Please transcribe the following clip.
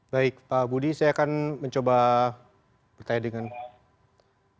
baik pak budi saya akan mencoba bertanya dengan pak